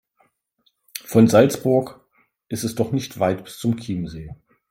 Von Salzburg ist es doch nicht weit bis zum Chiemsee.